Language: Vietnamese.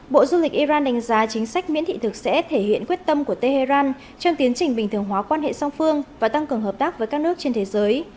bộ du lịch iran đánh giá chính sách miễn thị thực sẽ thể hiện quyết tâm của tehran trong tiến trình bình thường hóa quan hệ song phương và tăng cường hợp tác với các nước trên thế giới